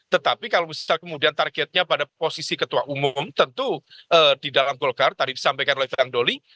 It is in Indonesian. tetapi kalau misalnya kemudian targetnya pada posisi ketua umum tentu di dalam golkar tadi disampaikan oleh bang doli